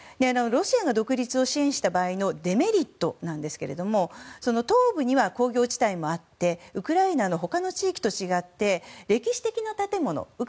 ロシアが独立を支援した場合のデメリットなんですが東部には工業地帯もありウクライナの他の地域と違って歴史的な建物が。